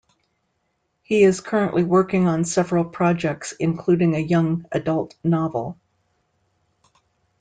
He is currently working on several projects, including a young adult novel.